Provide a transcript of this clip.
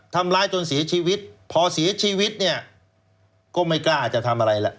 ทำร้ายจนเสียชีวิตพอเสียชีวิตเนี่ยก็ไม่กล้าจะทำอะไรล่ะ